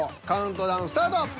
カウントダウンスタート！